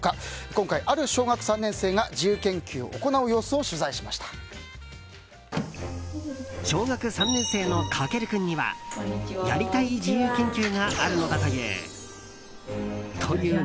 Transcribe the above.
今回、ある小学３年生が自由研究を行う様子を小学３年生の駆君にはやりたい自由研究があるのだという。